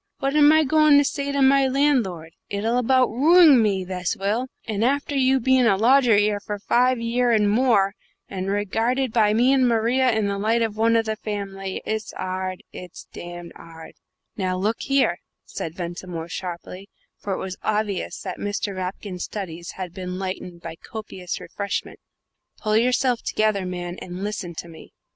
What am I goin' to say to my landlord? It'll about ruing me, this will; and after you bein' a lodger 'ere for five year and more, and regarded by me and Maria in the light of one of the family. It's 'ard it's damned 'ard!" "Now, look here," said Ventimore, sharply for it was obvious that Mr. Rapkin's studies had been lightened by copious refreshment "pull yourself together, man, and listen to me."